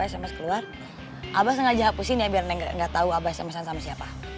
kalau ada sms masuk apa apa sms keluar abah sengaja hapusin ya biar neng gak tau abah sms an sama siapa